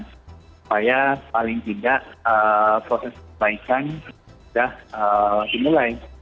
supaya paling tidak proses perbaikan sudah dimulai